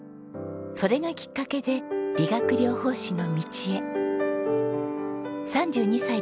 それがきっかけで理学療法士の道へ。